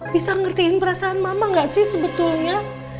bisa ngertiin perasaan mama gak sih sebetulnya